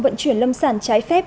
vận chuyển lâm sản trái phép